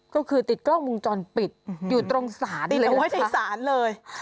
ก็คือติดกล้องวงจรปิดอยู่ตรงศาลเลย